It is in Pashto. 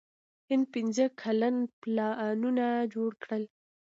هند پنځه کلن پلانونه جوړ کړل.